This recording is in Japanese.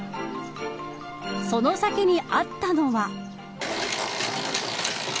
その先にあったのは。